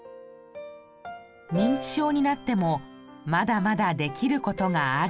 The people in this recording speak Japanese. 認知症になってもまだまだできる事がある。